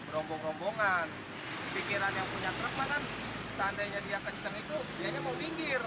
rombong rombongan pikiran yang punya krepan tandanya dia kenceng itu biar mau dinggir